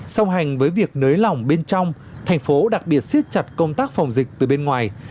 song hành với việc nới lỏng bên trong thành phố đặc biệt siết chặt công tác phòng dịch từ bên ngoài